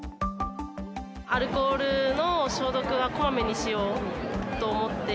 アルコールの消毒はこまめにしようと思って。